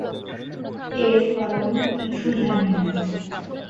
এর কারণ কিছু জানি না।